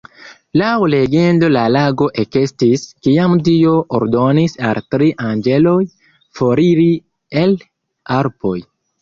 Laŭ legendo la lago ekestis, kiam Dio ordonis al tri anĝeloj foriri el Alpoj.